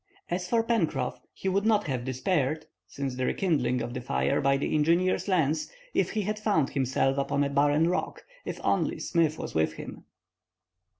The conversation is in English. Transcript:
As for Pencroff, he would not have despaired, since the rekindling of the fire by the engineer's lens, if he had found himself upon a barren rock, if only Smith was with him.